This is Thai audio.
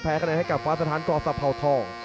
คะแนนให้กับฟ้าสถานกศภาวทอง